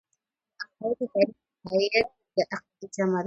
د عقايدو تعريف عقايد د عقيدې جمع ده .